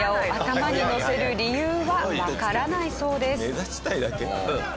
目立ちたいだけなの？